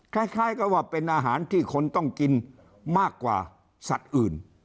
คล้ายกับว่าเป็นอาหารที่คนต้องกินมากกว่าสัตว์อื่น